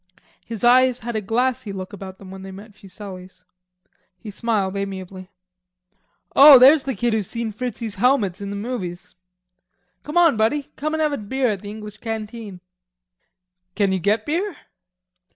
His eyes had a glassy look about them when they met Fuselli's. He smiled amiably. "Oh, there's the kid who's seen Fritzies' helmets in the movies.... Come on, buddy, come and have a beer at the English canteen." "Can you get beer?"